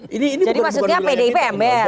jadi maksudnya pdip ember